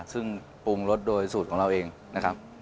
ซึ่งปรุงรสโดยสูตรของเราเองนะครับ